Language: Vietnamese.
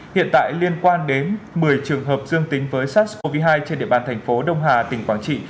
hiện tại liên quan đến một mươi trường hợp dương tính với sars cov hai trên địa bàn thành phố đông hà tỉnh quảng trị